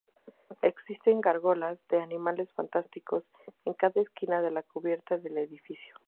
Existen gárgolas de animales fantásticos en cada esquina de la cubierta del edificio.